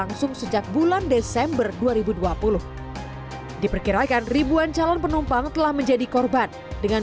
nggak berani angah